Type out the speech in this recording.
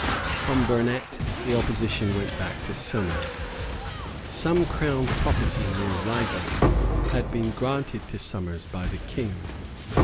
From Burnet the opposition went back to Somers. Some Crown property near Reigate had been granted to Somers by the King.